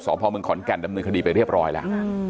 สพมขอนแก่นนำเนินคดีไปเรียบร้อยละ